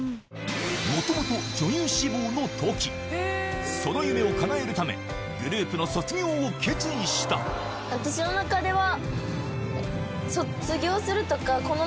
元々女優志望のときその夢をかなえるためグループの卒業を決意したっていうのは。